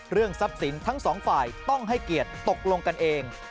ทรัพย์สินทั้งสองฝ่ายต้องให้เกียรติตกลงกันเอง